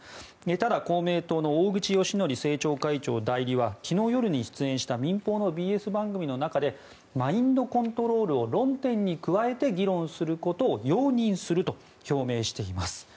ただ、公明党の大口善徳政調会長代理は昨日夜に出演した民放のＢＳ番組の中でマインドコントロールを論点に加えて議論することを容認すると表明しています。